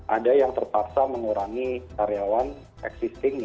ada yang terpaksa mengurangi karyawan existing